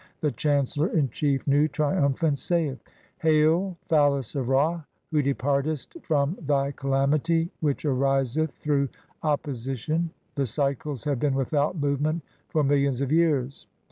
The chancellor in chief, Nu, triumphant, saith :— (2) "Hail, phallus of Ra, who departcst from thy calamity [which "ariseth] through opposition (?), the cycles have been without "movement for millions of years.